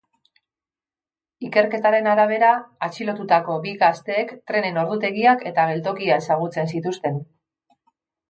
Ikerketaren arabera, atxilotutako bi gazteek trenen ordutegiak eta geltokia ezagutzen zituzten.